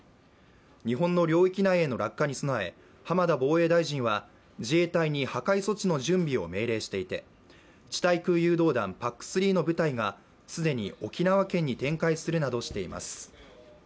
日本の領域内への落下に備え浜田防衛大臣は自衛隊に破壊措置の準備を命令していて地対空誘導弾ＰＡＣ３の部隊が既に沖縄県に展開するなどしています。